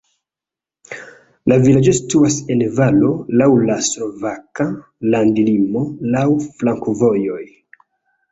La vilaĝo situas en valo, laŭ la slovaka landlimo, laŭ flankovojoj.